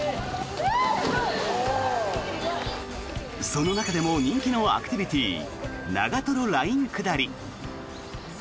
その中でも人気のアクティビティー長瀞ライン下り。